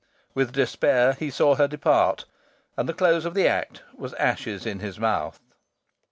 With despair he saw her depart, and the close of the act was ashes in his mouth.